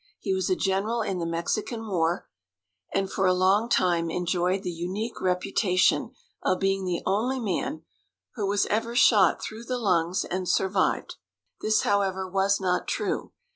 He was a general in the Mexican War, and for a long time enjoyed the unique reputation of being the only man who was ever shot through the lungs and survived. This, however, was not true.